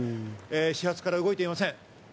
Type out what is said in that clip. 始発から動いていません。